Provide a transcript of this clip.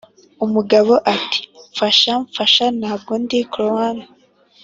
umugabo ati: 'fasha, fasha.' 'ntabwo ndi clown.'